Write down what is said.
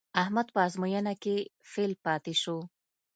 احمد په ازموینه کې فېل پاتې شو.